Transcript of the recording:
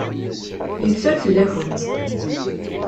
Yeffer fell-akent.